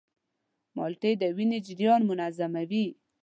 مالټې د وینې جریان منظموي.